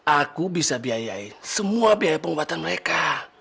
aku bisa biayain semua biaya pengobatan mereka